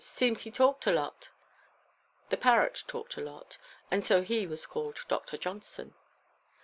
Seems he talked a lot." The parrot talked a lot, and so he was called Doctor Johnson.